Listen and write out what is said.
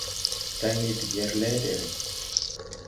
Tayne de yɛr lɛ́ɛdɛ̀rɛ̀.